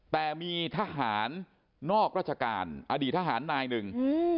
แต่มีทหารนอกราชการอดีตทหารนายหนึ่ง